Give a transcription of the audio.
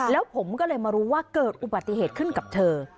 แล้วผมก็เลยมารู้ว่าเกิดอุบัติเหตุขึ้นกับเธอ